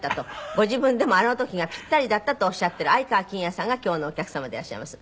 ご自分でもあの時がピッタリだったとおっしゃっている愛川欽也さんが今日のお客様でいらっしゃいます。